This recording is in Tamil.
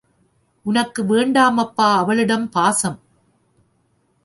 உனக்கு வேண்டாமப்பா அவளிடம் பாசம்!